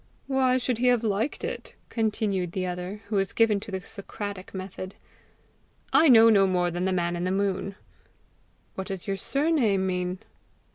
"Why should he have liked it?" continued the other, who was given to the Socratic method. "I know no more than the man in the moon." "What does your surname mean?"